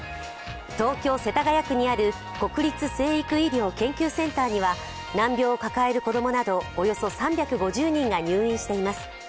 東京・世田谷区にある国立成育医療研究センターには難病を抱える子供などおよそ３５０人が入院しています。